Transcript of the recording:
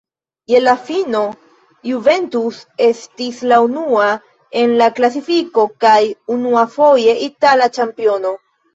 Je la fino Juventus estis la unua en la klasifiko kaj, unuafoje, itala ĉampiono.